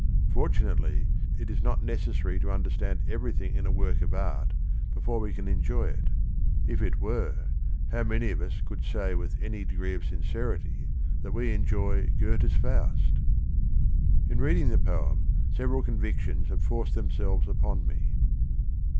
Fortunately it is not necessary to understand everything in a work of art before we can enjoy 6 THE RING AND THE BOOK it. If it were, how many of us could say with any degree of sincerity that we enjoy Goethe's Faust? In reading the poem several convictions have forced themselves upon me.